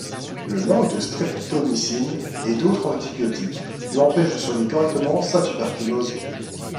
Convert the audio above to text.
Le manque de Streptomycine et d'autres antibiotiques l'empêche de soigner correctement sa tuberculose.